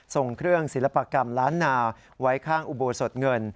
ส่งเครื่องศิลปกรรมล้านนาไว้ข้างอุโบสถเงิน